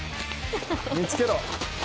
「見つけろ」